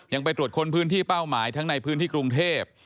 ไปตรวจค้นพื้นที่เป้าหมายทั้งในพื้นที่กรุงเทพ